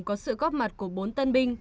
có sự góp mặt của bốn tân binh